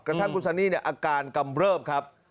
กระทั่งคุณสันนี่เนี่ยอาการกำเริ่มครับ